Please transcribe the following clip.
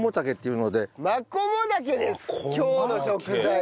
今日の食材は。